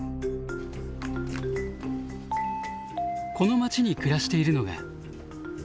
この町に暮らしているのが。